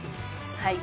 はい。